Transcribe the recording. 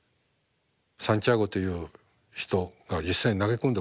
サンティアゴという人が実際に投げ込んで殺したんです。